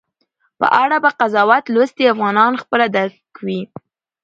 په اړه به قضاوت لوستي افغانان خپله درک وي